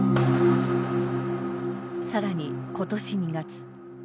さらにことし２月。